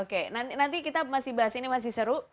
oke nanti kita masih bahas ini masih seru